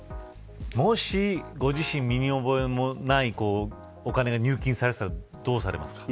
もし、ご自身身に覚えのないお金が入金されていたらどうされますか。